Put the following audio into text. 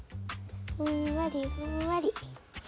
ふんわりふんわり。